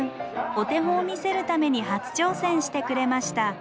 お手本を見せるために初挑戦してくれました。